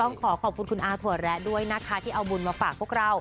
ขอขอบคุณคุณอาถั่วแระด้วยนะคะที่เอาบุญมาฝากพวกเรา